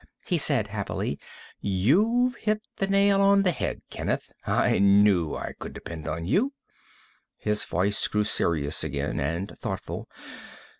he said happily. "You've hit the nail on the head, Kenneth. I knew I could depend on you." His voice grew serious again, and thoughtful.